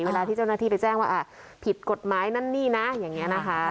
เวลาที่เจ้าหน้าที่ไปแจ้งว่าผิดกฎหมายนั่นนี่นะอย่างนี้นะคะ